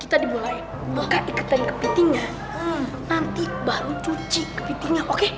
kita dibulai buka ikatan kepitingnya nanti baru cuci kepitingnya oke